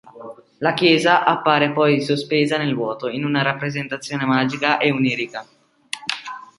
La chiesa appare poi sospesa nel vuoto, in una rappresentazione magica e onirica.